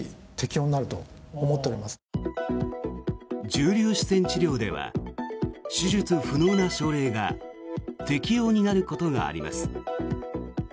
重粒子線治療では手術不能な症例が適応になることがあります。